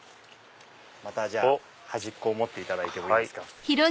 またじゃあ端っこを持っていただいてもいいですか。